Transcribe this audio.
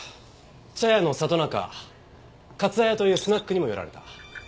茶屋の里菜かかつ絢というスナックにも寄られた。